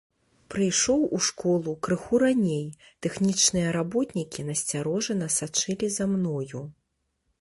Прыйшоў у школу крыху раней, тэхнічныя работнікі насцярожана сачылі за мною.